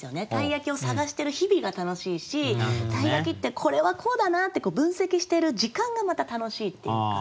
鯛焼を探してる日々が楽しいし鯛焼ってこれはこうだなって分析してる時間がまた楽しいっていうか。